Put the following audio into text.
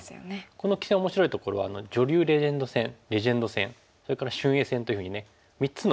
この棋戦面白いところは女流レジェンド戦レジェンド戦それから俊英戦というふうにね３つのカテゴリーに分かれた。